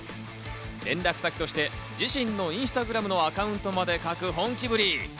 連絡先として自身のインスタグラムのアカウントまで書く本気ぶり。